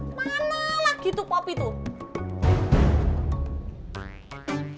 mana lagi tuh popi tuh